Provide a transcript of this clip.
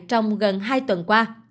trong gần hai tuần qua